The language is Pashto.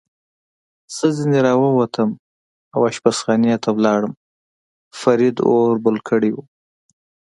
زه ځنې را ووتم او اشپزخانې ته ولاړم، فرید اور بل کړی و.